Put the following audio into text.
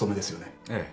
ええ。